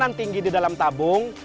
yang tinggi di dalam tabung